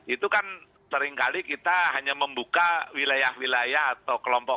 itu kan seringkali kita hanya membuka wilayah wilayah atau kelompok